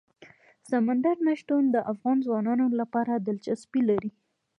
سمندر نه شتون د افغان ځوانانو لپاره دلچسپي لري.